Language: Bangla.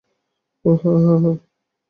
ওহ, হ্যাঁ, হ্যাঁ, হ্যাঁ।